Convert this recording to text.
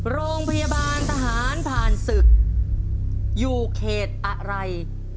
โรงพยาบาลทหารผ่านศึกอยู่เขตอะไร